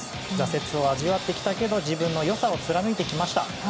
挫折を味わってきたけど自分の良さを貫いてきました。